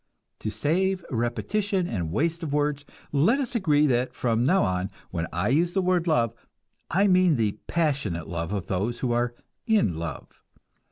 To save repetition and waste of words, let us agree that from now on when I use the word love, I mean the passionate love of those who are "in love."